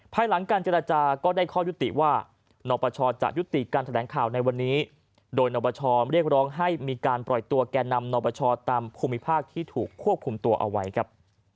ภายหลังการเจรจาก็ได้ข้อยุติว่านปชจะยุติการแถลงข่าวในวันนี้โดยนปชเรียกร้องให้มีการปล่อยตัวแก่นำนปชตามภูมิภาคที่ถูกควบคุมตัวเอาไว้ครับ